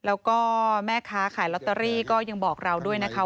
แล้วก็แม่ค้าขายลอตเตอรี่ก็ยังบอกเราด้วยนะคะ